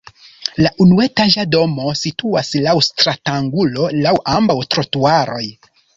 La unuetaĝa domo situas laŭ stratangulo laŭ ambaŭ trotuaroj.